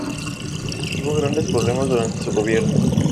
Tuvo grandes problemas durante su gobierno.